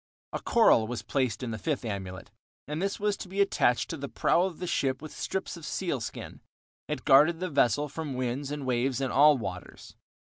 A coral was placed in the fifth amulet, and this was to be attached to the prow of the ship with strips of seal skin; it guarded the vessel from winds and waves in all waters.